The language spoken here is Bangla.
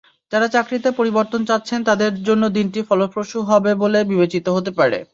যাঁরা চাকরিতে পরিবর্তন চাচ্ছেন তাঁদের জন্য দিনটি ফলপ্রসূ বলে বিবেচিত হতে পারে।